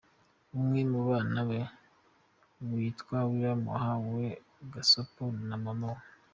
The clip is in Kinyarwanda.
Umwe mu bana be Witwa Nillan yahawe Gasopo na mama we.